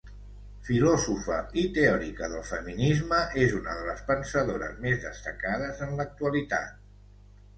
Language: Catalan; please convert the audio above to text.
Filòsofa i teòrica del feminisme, és una de les pensadores més destacades en l'actualitat.